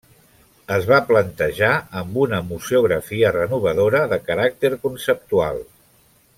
Es va plantejar amb una museografia renovadora, de caràcter conceptual.